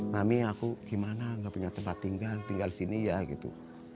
mami aku gimana gak punya tempat tinggal tinggal di sini ya gitu